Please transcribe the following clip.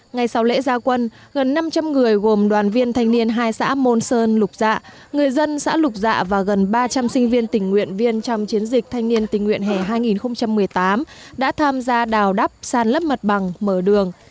ngày sau lễ gia quân gần năm trăm linh người gồm đoàn viên thanh niên hai xã môn sơn lục dạ người dân xã lục dạ và gần ba trăm linh sinh viên tình nguyện viên trong chiến dịch thanh niên tình nguyện hẻ hai nghìn một mươi tám đã tham gia đào đắp sàn lấp mặt bằng mở đường